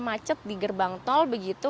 macet di gerbang tol begitu